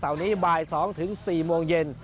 เต่านี้บ่าย๒๔โมงเย็น